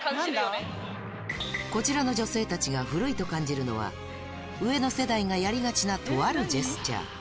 こちらの女性たちが古いと感じるのは上の世代がやりがちなとあるジェスチャー